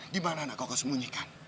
di mana anak koko sembunyikan